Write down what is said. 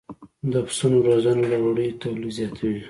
د پسونو روزنه د وړیو تولید زیاتوي.